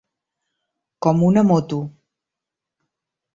Com una moto.